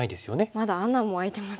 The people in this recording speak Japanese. まだ穴も開いてますしね。